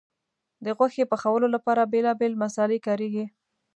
د غوښې پخولو لپاره بیلابیل مسالې کارېږي.